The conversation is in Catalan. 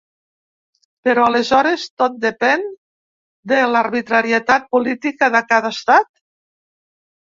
Però aleshores tot depèn de l’arbitrarietat política de cada estat?